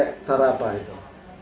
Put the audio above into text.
tapi pakai cara apa itu